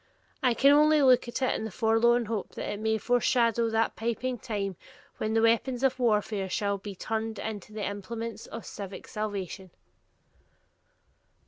I can only look at it in the forlorn hope that it may foreshadow that piping time when the weapons of warfare shall be turned into the implements of civic salvation.